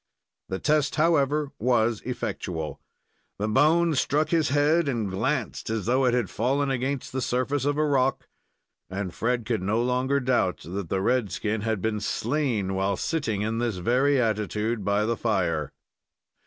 The test, however, was effectual. The bone struck his bead, and glanced as though it had fallen against the surface of a rock, and Fred could no longer doubt that the red skin had been slain while sitting in this very attitude by the fire.